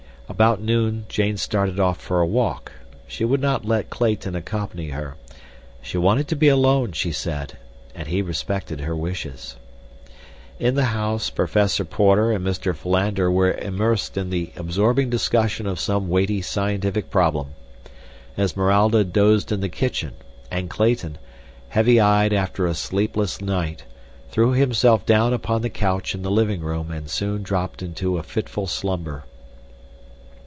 About noon Jane started off for a walk. She would not let Clayton accompany her. She wanted to be alone, she said, and he respected her wishes. In the house Professor Porter and Mr. Philander were immersed in an absorbing discussion of some weighty scientific problem. Esmeralda dozed in the kitchen, and Clayton, heavy eyed after a sleepless night, threw himself down upon the couch in the living room and soon dropped into a fitful slumber.